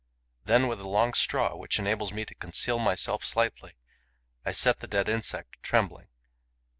Then, with a long straw, which enables me to conceal myself slightly, I set the dead insect trembling.